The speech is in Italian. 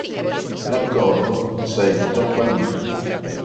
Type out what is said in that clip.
L'accordo in seguito fallì.